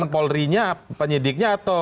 polri nya penyidiknya atau